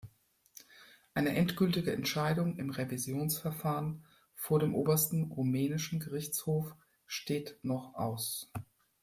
Eine endgültige Entscheidung im Revisionsverfahren vor dem Obersten Rumänischen Gerichtshof steht noch aus.